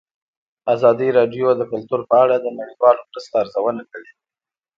ازادي راډیو د کلتور په اړه د نړیوالو مرستو ارزونه کړې.